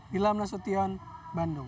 di lam nasution bandung